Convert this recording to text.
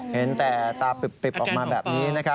เห็นแต่ตราปลิบออกมาแบบนี้